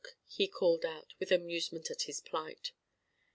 he called out, with amusement at his plight.